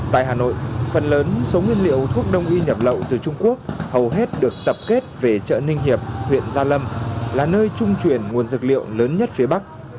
tại hà nội phần lớn số nguyên liệu thuốc đông y nhập lậu từ trung quốc hầu hết được tập kết về chợ ninh hiệp huyện gia lâm là nơi trung chuyển nguồn dược liệu lớn nhất phía bắc